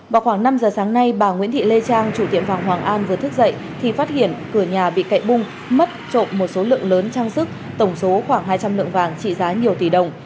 vào khoảng năm giờ sáng nay bà nguyễn thị lê trang chủ tiệm vàng hoàng an vừa thức dậy thì phát hiện cửa nhà bị cậy bung mất trộm một số lượng lớn trang sức tổng số khoảng hai trăm linh lượng vàng trị giá nhiều tỷ đồng